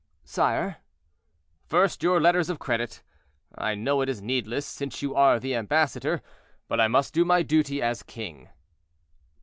"Sire—" "First, your letters of credit. I know it is needless, since you are the ambassador: but I must do my duty as king."